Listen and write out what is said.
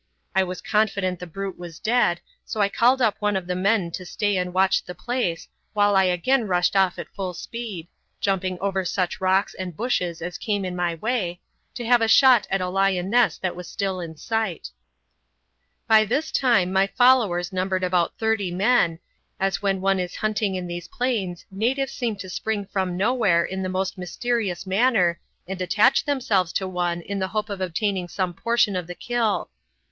I was confident the brute was dead, so I called up one of the men to stay and watch the place, while I again rushed off at full speed jumping over such rocks and bushes as came in my way to have a shot at a lioness that was still in sight. By this time my followers numbered about thirty men, as when one is hunting in these plains natives seem to spring from nowhere in the most mysterious manner, and attach themselves to one in the hope of obtaining same portion of the kill.